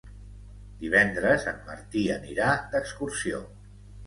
Divendres en Martí anirà d'excursió.